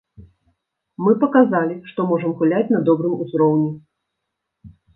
Мы паказалі, што можам гуляць на добрым узроўні.